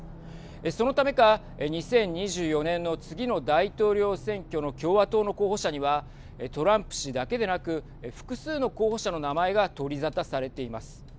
そのためか２０２４年の次の大統領選挙の共和党の候補者にはトランプ氏だけでなく複数の候補者の名前が取り沙汰されています。